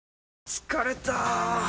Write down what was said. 疲れた！